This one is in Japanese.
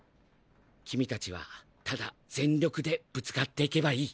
君達はただ全力でぶつかっていけばいい。